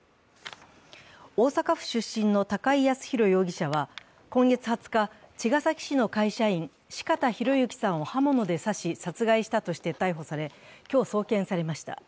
大阪府出身の高井靖弘容疑者は、今月２０日茅ヶ崎市の会社員、四方洋行さんを刃物で刺し殺害したとして逮捕され、今日、送検されました。